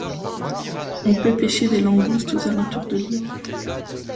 On peut pêcher des langoustes aux alentours de l'île.